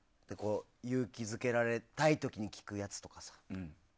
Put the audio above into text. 勇気づけられたい時に聴くやつとかさ。